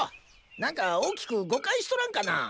何か大きく誤解しとらんかなあ。